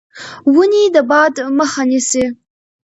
ونې د باد مخه نیسي.